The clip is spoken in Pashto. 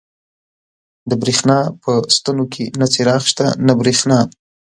د برېښنا په ستنو کې نه څراغ شته، نه برېښنا.